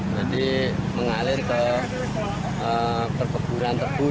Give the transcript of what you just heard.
jadi mengalir ke perkeburan tersebut